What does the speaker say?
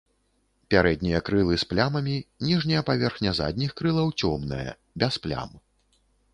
Пярэднія крылы з плямамі, ніжняя паверхня задніх крылаў цёмная, без плям.